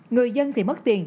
người dân thì mất tiền